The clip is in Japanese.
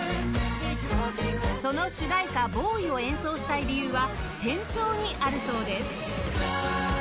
その主題歌『ＢＯＹ』を演奏したい理由は転調にあるそうです